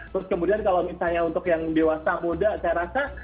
terus kemudian kalau misalnya untuk yang dewasa muda saya rasa